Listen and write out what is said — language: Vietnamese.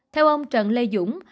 theo ông trần lê dũng